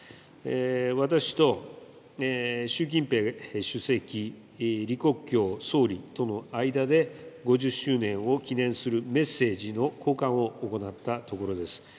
私と習近平主席、李克強総理との間で、５０周年を記念するメッセージの交換を行ったところです。